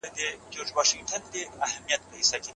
که تاسي په پښتو کي نوې اصطلاحات وضع کړئ پښتو به عصري سي.